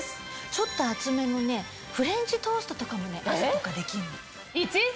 ちょっと厚めのフレンチトーストとかも朝とかできるの。